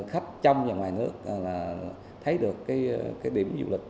khách trong và ngoài nước thấy được cái điểm du lịch